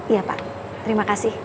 iya pak terima kasih